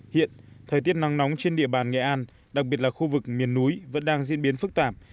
hiện thời tiết nắng nóng trên địa bàn nghệ an đặc biệt là khu vực miền núi vẫn đang diễn biến phức tạp